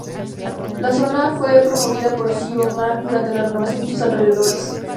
La zona fue promovida por Shui On Land durante la renovación de sus alrededores.